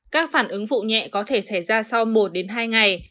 các phản ứng vụ nhẹ có thể xảy ra sau một đến hai ngày